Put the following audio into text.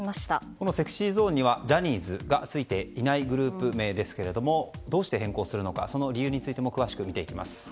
このＳｅｘｙＺｏｎｅにはジャニーズがついていないグループ名ですけどもどうして変更するのかその理由についても見ていきます。